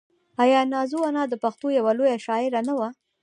آیا نازو انا د پښتنو یوه لویه شاعره نه وه؟